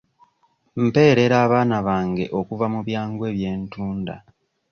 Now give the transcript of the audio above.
Mpeerera abaana bange okuva mu byangwe bye ntunda.